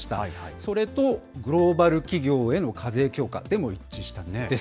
それとグローバル企業への課税強化でも一致したんです。